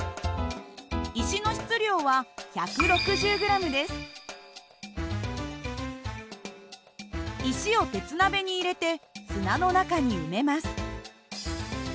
石の質量は石を鉄鍋に入れて砂の中に埋めます。